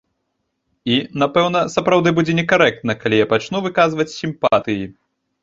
І, напэўна, сапраўды будзе некарэктна, калі я пачну выказваць сімпатыі.